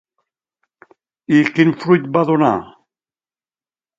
I quin fruit va donar?